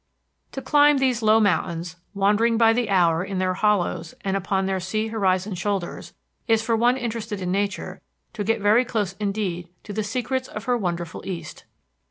To climb these low mountains, wandering by the hour in their hollows and upon their sea horizoned shoulders, is, for one interested in nature, to get very close indeed to the secrets of her wonderful east.